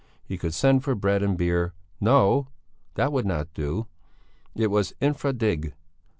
He could send for bread and beer. No! That would not do; it was _infra dig.